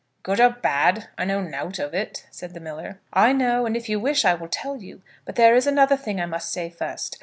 "Good or bad, I know nowt of it," said the miller. "I know, and if you wish I will tell you; but there is another thing I must say first.